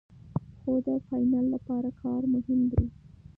خو د فاینل لپاره کار مهم دی.